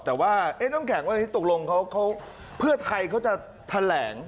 แต่ว่าน้ำแข็งวันนี้ตกลงเขาเพื่อไทยเขาจะแถลง